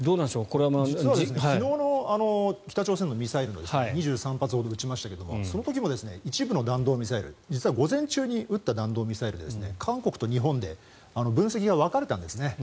実は昨日北朝鮮のミサイル２３発ほど撃ちましたがその時も一部の弾道ミサイル実は午前中に撃った弾道ミサイル韓国と日本で分析が分かれたんです。